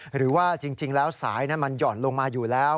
หรือว่าจริงแล้วสายนั้นมันหย่อนลงมาอยู่แล้ว